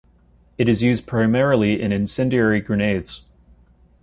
It is used primarily in incendiary grenades.